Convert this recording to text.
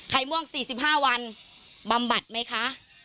ม่วง๔๕วันบำบัดไหมคะ